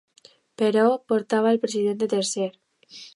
Però portava el president de tercer.